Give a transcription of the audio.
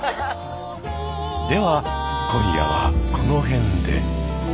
では今夜はこの辺で。